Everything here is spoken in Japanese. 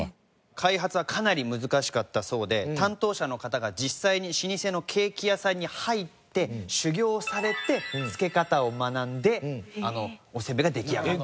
開発はかなり難しかったそうで担当者の方が実際に老舗のケーキ屋さんに入って修業されてつけ方を学んであのおせんべいができあがった。